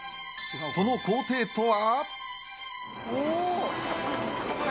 その工程とは？